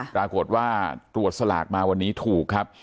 ปรากฏว่าตรวจสลากมาวันนี้ถูกครับ